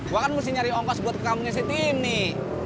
gue kan mesti nyari ongkos buat kamunya si tim nih